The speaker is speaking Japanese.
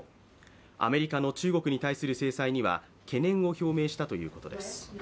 アメリカの中国に対する制裁には懸念を表明したということです。